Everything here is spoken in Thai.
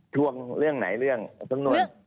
ช่วงเรื่องไหนเรื่องสำนวน